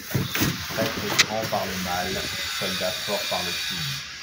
Prêtres grands par le mal, soldats forts par le crime